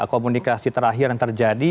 komunikasi terakhir yang terjadi